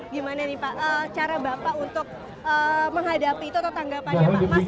gimana nih pak cara bapak untuk menghadapi itu atau tanggapannya pak